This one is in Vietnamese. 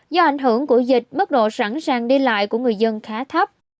do ảnh hưởng của dịch mức độ sẵn sàng đi lại của người dân khá thấp